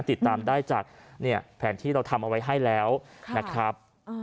ติดตามได้จากแผนที่เราทำเอาไว้ให้แล้วนะครับ